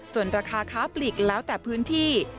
ส่วนราคาค้าปลีกแล้วแต่พื้นที่